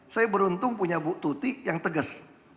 saya beruntung punya buktuti yang tegas